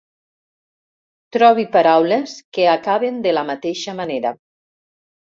Trobi paraules que acaben de la mateixa manera.